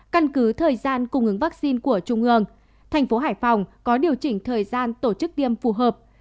căn cứ thời gian cung ứng vaccine của trung ương tp hcm có điều chỉnh thời gian tổ chức tiêm phù hợp